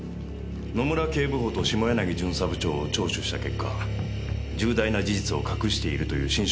野村警部補と下柳巡査部長を聴取した結果重大な事実を隠しているという心証を持ちました。